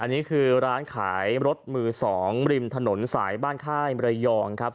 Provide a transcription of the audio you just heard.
อันนี้คือร้านขายรถมือ๒ริมถนนสายบ้านค่ายมระยองครับ